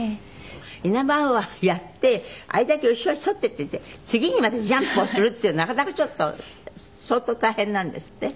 イナバウアーやってあれだけ後ろに反っていて次にまたジャンプをするっていうのなかなかちょっと相当大変なんですって？